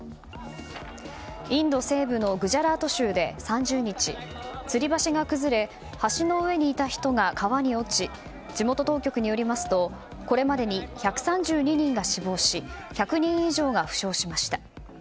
インド西部のグジャラート州で３０日つり橋が崩れ橋の上にいた人が川に落ち地元当局によりますとこれまでに１３２人が死亡し１００人以上が負傷しました。